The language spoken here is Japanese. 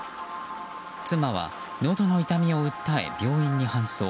妻は、のどの痛みを訴え病院に搬送。